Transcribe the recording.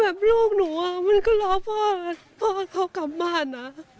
แล้วลูกหนูมันก็รอพ่อพ่อเขากลับบ้าน